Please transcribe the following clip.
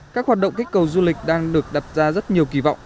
các hoạt động kích cầu du lịch đang được đặt ra rất nhiều kỳ vọng